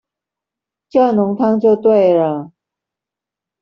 叫濃湯就對了